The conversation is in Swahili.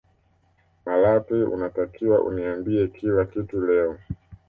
malatwe unatakiwa uniambie kila kitu leo